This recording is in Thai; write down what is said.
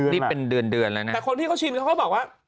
นี่เป็นเดือนเดือนแล้วนะแต่คนที่เขาชิมเขาก็บอกว่า